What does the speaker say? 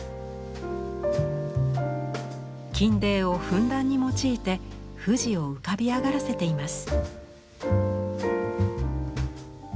金泥をふんだんに用いて富士を浮かび上がらせています。